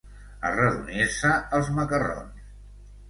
Arredonir-se els macarrons.